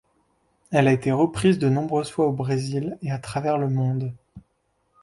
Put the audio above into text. Elle a été reprise de nombreuses fois au Brésil et à travers le monde.